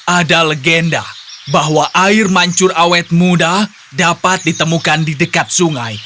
ada legenda bahwa air mancur awet muda dapat ditemukan di dekat sungai